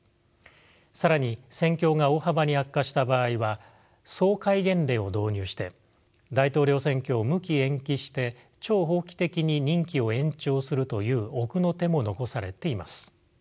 更に戦況が大幅に悪化した場合は総戒厳令を導入して大統領選挙を無期延期して超法規的に任期を延長するという奥の手も残されています。